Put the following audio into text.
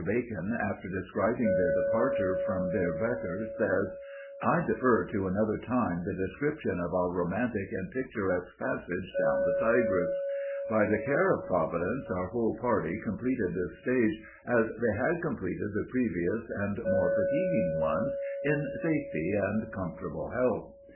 Bacon, after describing their departure from Diarbekr, says: "I defer to another time the description of our romantic and picturesque passage down the Tigris. By the care of Providence, our whole party completed this stage, as they had completed the previous and more fatiguing ones, in safety and comfortable health.